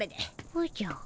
おじゃ。